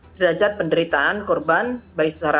derajat penderitaan korban baik secara